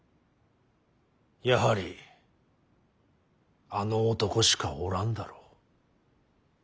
やはりあの男しかおらんだろう。